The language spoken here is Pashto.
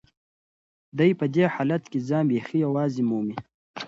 دی په دې حالت کې ځان بیخي یوازې مومي.